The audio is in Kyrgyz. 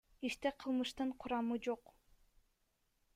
Иште кылмыштын курамы жок.